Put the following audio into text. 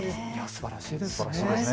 すばらしいですね。